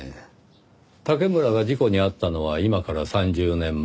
竹村が事故に遭ったのは今から３０年前。